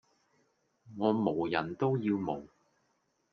我無人都要無!